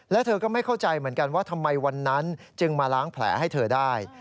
แล้วเธอก็ไม่เข้าใจเหมือนกันว่าทำไมวันนั้นจึงมาล้างแผลให้เธอได้